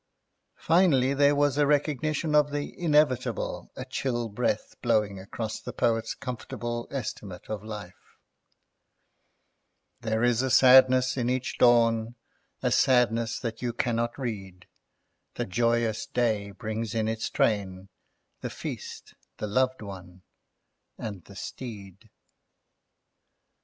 Finally, there was a recognition of the Inevitable, a chill breath blowing across the poet's comfortable estimate of life— "There is a sadness in each Dawn, A sadness that you cannot rede: The joyous Day brings in its train The Feast, the Loved One, and the Steed.